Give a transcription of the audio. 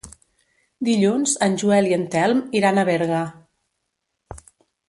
Dilluns en Joel i en Telm iran a Berga.